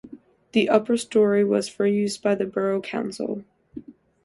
The upper storey was for use by the borough council.